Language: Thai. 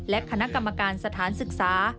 และคณะกรรมการสถานศึกษา